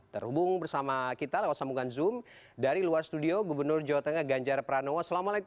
terhubung bersama kita lewat sambungan zoom dari luar studio gubernur jawa tengah ganjar pranowo